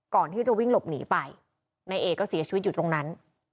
ก่อนที่จะวิ่งหลบหนีไปนายเอกก็เสียชีวิตอยู่ตรงนั้น